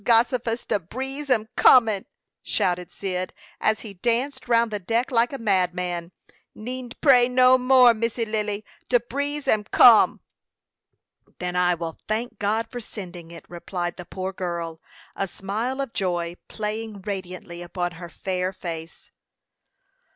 Gossifus! De breeze am coming!" shouted Cyd, as he danced round the deck like a madman. "Needn't pray no more, Missy Lily. De breeze am come." "Then I will thank God for sending it," replied the poor girl, a smile of joy playing radiantly upon her fair face.